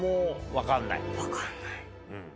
分かんない。